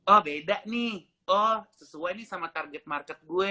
oh beda nih oh sesuai nih sama target market gue